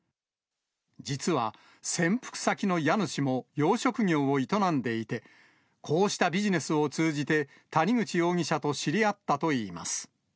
実は、潜伏先の家主も養殖業を営んでいて、こうしたビジネスを通じて、谷口容疑者と知り合ったといいます。